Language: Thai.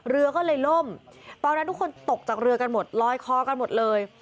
เรือก็เลยล่มตอนนั้นทุกคนตกจากเรือกันหมดลอยคอกันหมดเลย